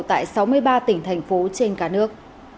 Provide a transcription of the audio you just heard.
tại sáu mươi ba tỉnh thành phố trên cả nước